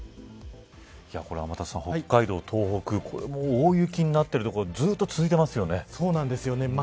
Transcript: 天達さん、北海道、東北大雪になってる所ずっと続いてますよね。